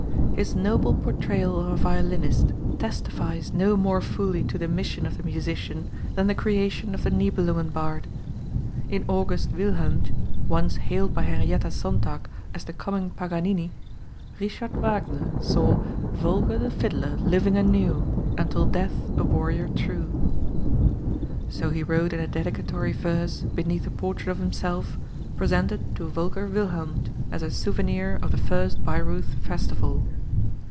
His noble portrayal of a violinist testifies no more fully to the mission of the musician than the creation of the Nibelungen bard. In August Wilhelmj, once hailed by Henrietta Sontag as the coming Paganini, Richard Wagner saw "Volker the Fiddler living anew, until death a warrior true." So he wrote in a dedicatory verse beneath a portrait of himself, presented to "Volker Wilhelmj as a souvenir of the first Baireuth festival."